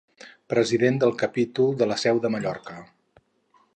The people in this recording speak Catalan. President del Capítol de la Seu de Mallorca.